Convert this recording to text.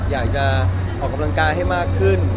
อยากจะออกกำลังกายให้มากขึ้น